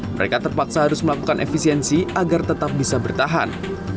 mereka terpaksa harus melakukan efisiensi agar tetap bisa bertahan